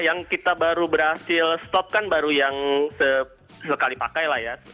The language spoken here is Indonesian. yang kita baru berhasil stop kan baru yang sesekali pakai lah ya